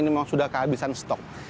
ini memang sudah kehabisan stok